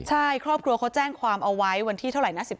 ใช่ครอบครัวเขาแจ้งความเอาไว้วันที่เท่าไหร่นะ